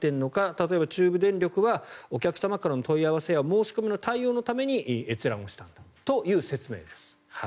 例えば、中部電力はお客様からの問い合わせや申し込みの対応のために閲覧をしたんだという説明です。